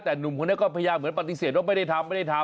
แต่หนุ่มคนนี้ก็พยายามเหมือนปฏิเสธว่าไม่ได้ทำไม่ได้ทำ